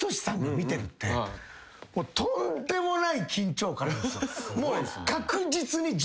とんでもない緊張感なんすよ。